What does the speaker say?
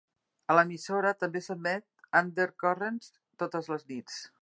A l'emissora també s'emet "UnderCurrents" totes les nits.